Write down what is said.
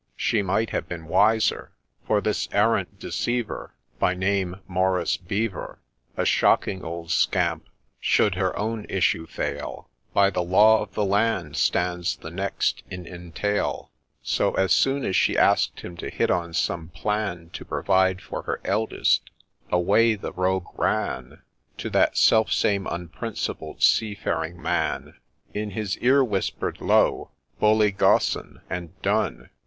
She might have been wiser ; For this arrant deceiver, By name Maurice Beevor, A shocking old scamp, should her own issue fail, By the law of the land stands the next in entail ; So, as soon as she ask'd him to hit on some plan To provide for her eldest, away the rogue ran To that self same unprincipled seafaring man ; In his ear whisper'o^ low ...—' Bully Gaussen ' said 'Done